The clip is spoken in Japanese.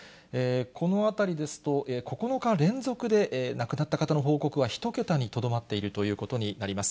このあたりですと、９日連続で亡くなった方の報告は１桁にとどまっているということになります。